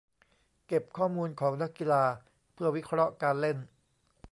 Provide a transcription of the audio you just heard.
เก็บข้อมูลของนักกีฬาเพื่อวิเคราะห์การเล่น